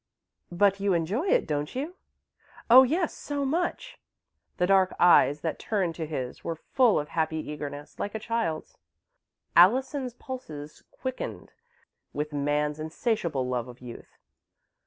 "But you enjoy it, don't you?" "Oh, yes! So much!" The dark eyes that turned to his were full of happy eagerness, like a child's. Allison's pulses quickened, with man's insatiable love of Youth.